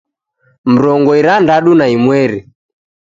Mrongo irandadu na imweri